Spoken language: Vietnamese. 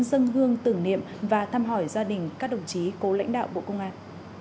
dân hương tưởng niệm và thăm hỏi gia đình các đồng chí cố lãnh đạo bộ công an